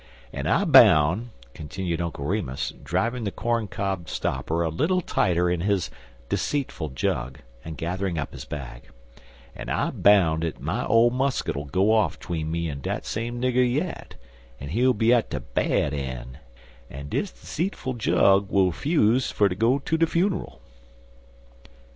"An' I boun'," continued Uncle Remus, driving the corn cob stopper a little tighter in his deceitful jug and gathering up his bag "an' I boun' dat my ole muskit 'll go off 'tween me an' dat same nigger yit, an' he'll be at de bad een', an' dis seetful jug'll 'fuse ter go ter de funer'l."